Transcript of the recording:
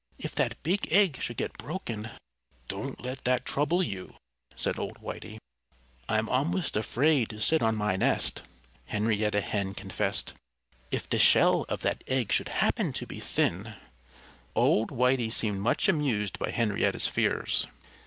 If that big egg should get broken " "Don't let that trouble you!" said old Whitey. "I'm almost afraid to sit on my nest," Henrietta Hen confessed. "If the shell of that egg should happen to be thin " Old Whitey seemed much amused by Henrietta's fears.